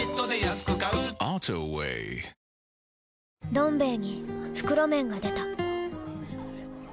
「どん兵衛」に袋麺が出た